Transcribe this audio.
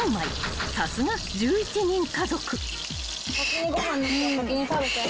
［さすが１１人家族］邪魔。